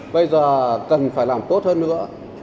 bây giờ cần phải làm tốt hơn nữa